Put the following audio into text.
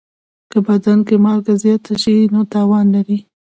که بدن کې مالګه زیاته شي، نو تاوان لري.